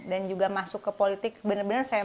dan juga masuk ke politik benar benar saya